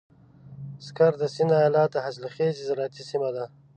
سکر د سيند ايالت حاصلخېزه زراعتي سيمه ده.